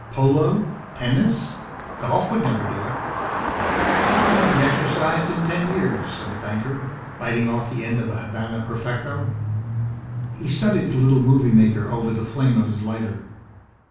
"Polo, tennis? Golf would never do it." "I haven't exercised in ten years," said the banker, biting off the end of a Havana Perfecto. He studied the little movie maker over the flame of his lighter.